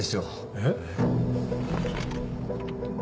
えっ？